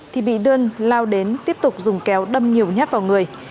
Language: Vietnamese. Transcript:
thì bị đươn lao đến tiếp tục dùng kéo đâm nhiều nháp vào người